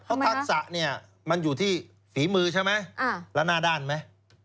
เพราะทักษะเนี่ยมันอยู่ที่ฝีมือใช่ไหมแล้วหน้าด้านไหม